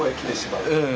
うん。